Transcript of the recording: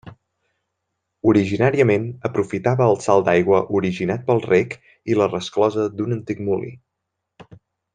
Originàriament aprofitava el salt d'aigua originat pel rec i la resclosa d'un antic molí.